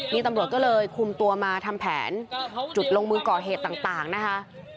นี่ตำรวจก็เลยคุมตัวมาทำแผนจุดลงมือก่อเหตุต่างนะคะ